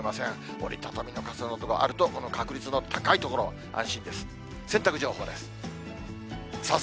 折り畳みの傘などがあると、この確率の高い所、安心です。